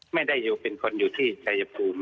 ไม่ได้อยู่เป็นคนอยู่ที่ชายภูมิ